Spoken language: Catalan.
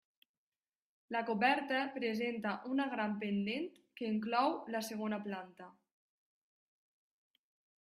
La coberta presenta una gran pendent, que enclou la segona planta.